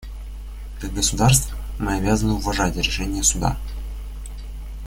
Как государства мы обязаны уважать решения Суда.